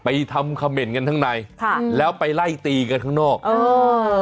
ทำเขม่นกันข้างในค่ะแล้วไปไล่ตีกันข้างนอกเออ